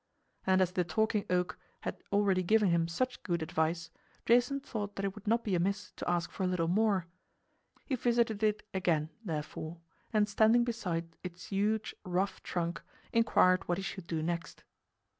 And as the Talking Oak had already given him such good advice, Jason thought that it would not be amiss to ask for a little more. He visited it again, therefore, and standing beside its huge, rough trunk, inquired what he should do next.